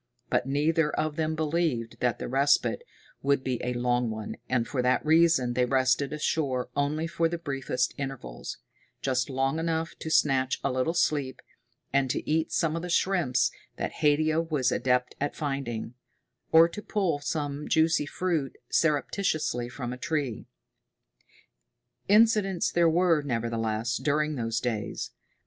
But neither of them believed that the respite would be a long one, and for that reason they rested ashore only for the briefest intervals, just long enough to snatch a little sleep, and to eat some of the shrimps that Haidia was adept at finding or to pull some juicy fruit surreptitiously from a tree. Incidents there were, nevertheless, during those days.